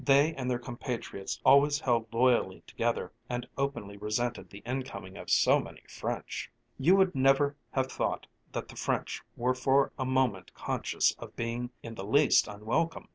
They and their compatriots always held loyally together and openly resented the incoming of so many French. You would never have thought that the French were for a moment conscious of being in the least unwelcome.